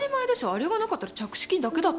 あれがなかったら着手金だけだったもん。